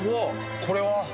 これは？